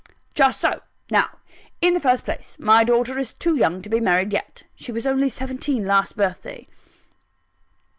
"Just so. Now, in the first place, my daughter is too young to be married yet. She was only seventeen last birthday."